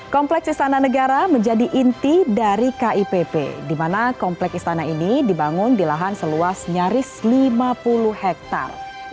kompleks istana negara menjadi inti dari kipp di mana komplek istana ini dibangun di lahan seluas nyaris lima puluh hektare